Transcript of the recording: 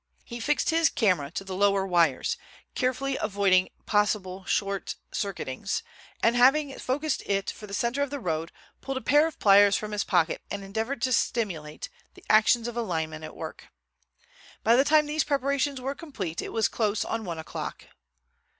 He fixed his camera to the lower wires—carefully avoiding possible short circuitings—and having focused it for the center of the road, pulled a pair of pliers from his pocket and endeavored to simulate, the actions of a lineman at work. By the time these preparations were complete it was close on one o'clock.